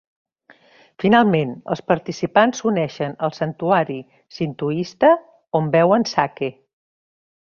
Finalment, els participants s'uneixen al santuari sintoista, on veuen sake.